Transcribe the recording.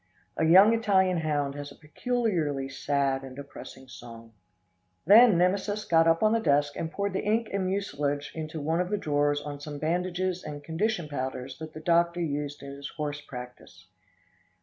A young Italian hound has a peculiarly sad and depressing song. Then Nemesis got up on the desk and poured the ink and mucilage into one of the drawers on some bandages and condition powders that the doctor used in his horse practice.